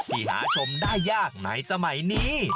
ที่หาชมได้ยากในสมัยนี้